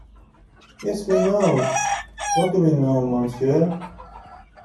Yes, we know — what do we know, monsieur?